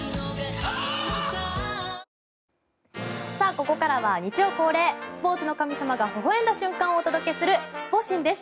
ここからは日曜恒例スポーツの神様がほほ笑んだ瞬間をお届けするスポ神です。